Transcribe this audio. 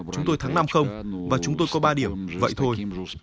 chúng tôi thắng năm không và chúng tôi có ba điểm vậy thôi